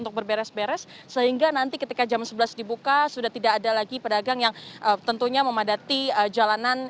untuk berberes beres sehingga nanti ketika jam sebelas dibuka sudah tidak ada lagi pedagang yang tentunya memadati jalanan